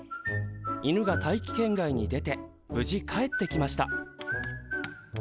犬が大気圏外に出て無事帰ってきました。